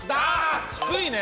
低いね。